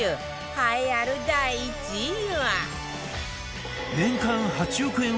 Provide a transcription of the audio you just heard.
栄えある第１位は